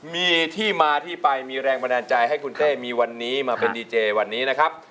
มีที่มาที่ไปมีแรงบันดาลใจให้คุณเต้มีวันนี้มาเป็นดีเจวันนี้นะครับ